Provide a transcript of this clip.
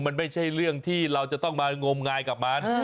มันไม่ใช่เรื่องที่เราจะต้องมางมงายกับมัน